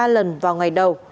ba lần vào ngày đầu